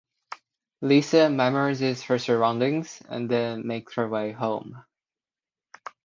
Lisa memorizes her surroundings and then makes her way home.